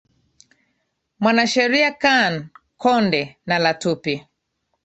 mwanasheria khan konde na latupi